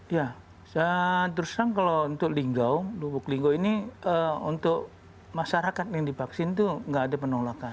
ya saya terserah kalau untuk lubuk linggo ini untuk masyarakat yang divaksin itu nggak ada penolakan